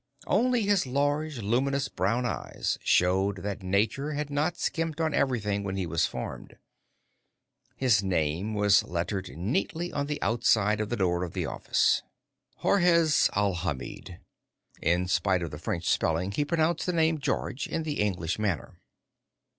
Only his large, luminous brown eyes showed that Nature had not skimped on everything when he was formed. His name was lettered neatly on the outside of the door to the office: Georges Alhamid. In spite of the French spelling, he pronounced the name "George," in the English manner.